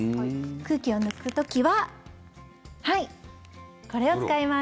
空気を抜く時はこれを使います。